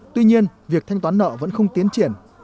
tuy nhiên việc thanh toán nợ vẫn không tiến triển